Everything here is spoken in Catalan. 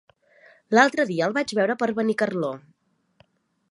L'altre dia el vaig veure per Benicarló.